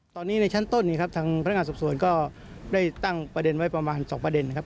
ตอนนี้ในชั้นต้นนี้ครับทางพนักงานสอบสวนก็ได้ตั้งประเด็นไว้ประมาณ๒ประเด็นครับ